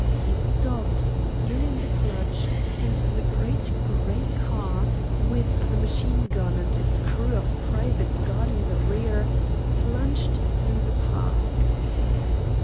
He stooped, threw in the clutch, and the great gray car, with the machine gun and its crew of privates guarding the rear, plunged through the park.